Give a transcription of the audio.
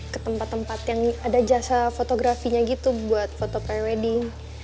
ke tempat tempat yang ada jasa fotografinya gitu buat foto pre wedding